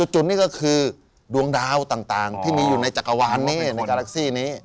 จุดนี้ก็คือดวงดาวต่างที่มีอยู่ในจักรวาลนี้ในการแท็กซี่นี้